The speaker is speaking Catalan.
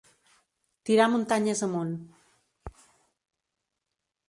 Tirar muntanyes amunt.